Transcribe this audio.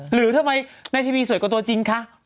หรือทำไมในทีวีสวยกว่าตัวจริงคะ